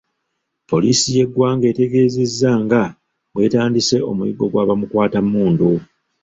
Poliisi y’eggwanga etegeezezza nga bwetandise omuyiggo gwa bamukwatammundu.